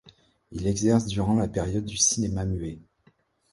Il exerce durant la période du cinéma muet.